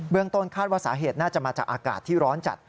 ต้นคาดว่าสาเหตุน่าจะมาจากอากาศที่ร้อนจัด